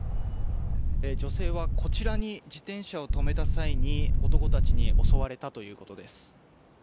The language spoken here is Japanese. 女性はこちらに自転車を止めた際に男たちに襲われたということです。